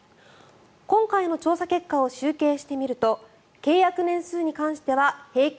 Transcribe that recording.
今回の調査結果を集計してみると契約年数に関しては平均